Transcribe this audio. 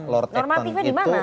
normatifnya di mana